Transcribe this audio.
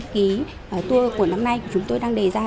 ký tour của năm nay chúng tôi đang đề ra